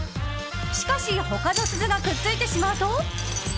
しかし他の鈴がくっついてしまうと。